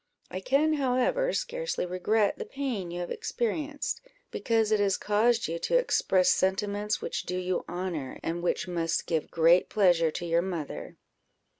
I can, however, scarcely regret the pain you have experienced, because it has caused you to express sentiments which do you honour, and which must give great pleasure to your mother."